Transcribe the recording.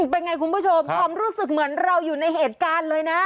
เป็นไงคุณผู้ชมความรู้สึกเหมือนเราอยู่ในเหตุการณ์เลยนะ